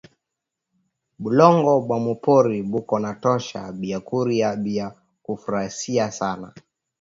Bulongo bwa mu pori buko na tosha biakuria bia ku furaisha sana